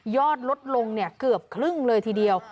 ยอดลดลงเนี่ยเกือบครึ่งเลยทีเดียว